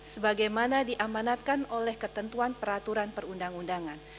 sebagaimana diamanatkan oleh ketentuan peraturan perundang undangan